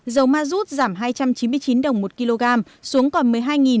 dầu ma rút giảm hai trăm chín mươi chín đồng một kg xuống còn một mươi năm một trăm ba mươi bảy đồng một lit